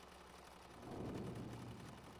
Está bien, paso, paso.